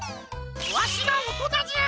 わしはおとなじゃ！